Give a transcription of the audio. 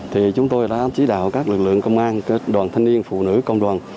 thì chúng tôi đã chí đạo các lực lượng công an đoàn thanh niên phụ nữ công đoàn